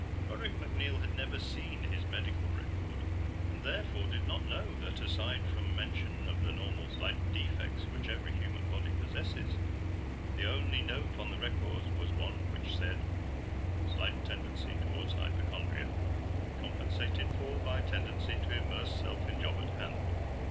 Broderick MacNeil had never seen his medical record, and therefore did not know that, aside from mention of the normal slight defects which every human body possesses, the only note on the records was one which said: "Slight tendency toward hypochondria, compensated for by tendency to immerse self in job at hand.